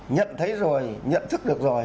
nhận thấy rồi nhận thức được rồi